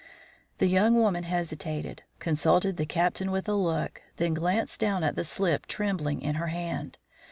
The young woman hesitated, consulted the Captain with a look, then glanced down at the slip trembling in her hand.